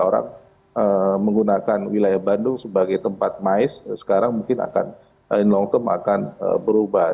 orang menggunakan wilayah bandung sebagai tempat mais sekarang mungkin akan in long term akan berubah